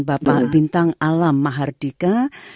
bapak bintang alam mahardika